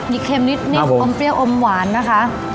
นี่เค็มนิดอมเปรี้ยวอมหวานนะคะ